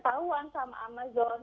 terus ketahuan sama amazon